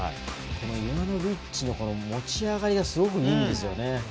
ユラノビッチの持ち上がりがすごくいいんですよね。